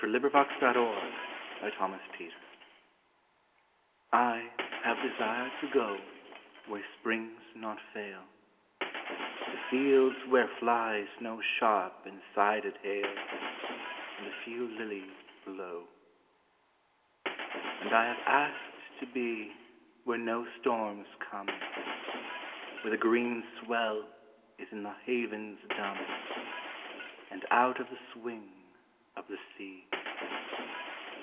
A! HOPWOOD I HAVE DESIRED TO GO I HAVE desired to go Where springs not fail, To fields where flies no sharp and sided hail, And a few lilies blow. And I have asked to be Where no storms come, Where the green swell is in the havens dumb, And out of the swing of the sea.